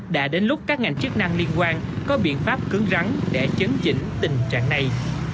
đã đến lúc các ngành chức năng liên quan có biện pháp cứng rắn để chấn chỉnh tình trạng này